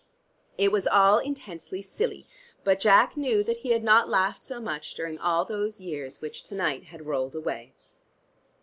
It was all intensely silly, but Jack knew that he had not laughed so much during all those years which to night had rolled away.